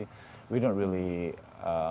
kita tidak benar benar